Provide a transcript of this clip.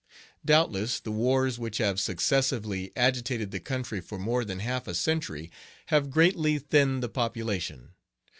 Doubtless, the wars which have successively agitated the country for more than half a century have greatly thinned the population.